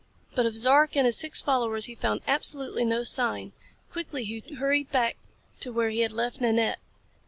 But of Zark and his six followers he found absolutely no sign. Quickly he hurried back to where he had left Nanette.